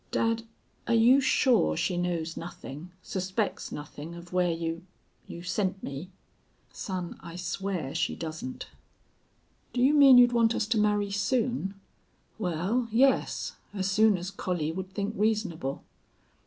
Dad, are you sure she knows nothing, suspects nothing of where you you sent me?" "Son, I swear she doesn't." "Do you mean you'd want us to marry soon?" "Wal, yes, as soon as Collie would think reasonable.